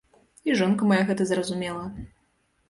І жонка мая гэта зразумела.